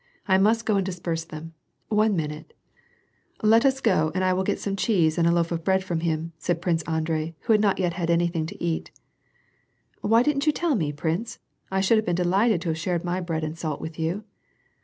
I must go and disperse them. One minute !"" Let us go and I will get some cheese and a loaf of bread of him," said Prince Andrei, who had not yet had anything to eat. " Why didn't you tell me, prince ? I should have been delighted to have shared my bread and salt with you."